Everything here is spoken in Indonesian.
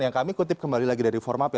yang kami kutip kembali lagi dari formapi